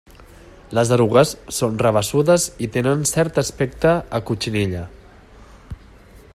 Les erugues són rabassudes i tenen cert aspecte a cotxinilla.